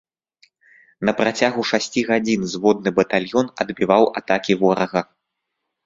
На працягу шасці гадзін зводны батальён адбіваў атакі ворага.